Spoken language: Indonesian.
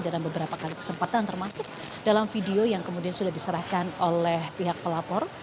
dalam beberapa kali kesempatan termasuk dalam video yang kemudian sudah diserahkan oleh pihak pelapor